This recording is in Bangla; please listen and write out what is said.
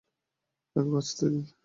তাকে বাঁচতে দিন।